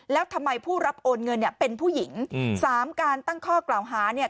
แล้วทำไมผู้รับโอนเงินเนี่ยเป็นผู้หญิงอืมสามการตั้งข้อกล่าวหาเนี่ย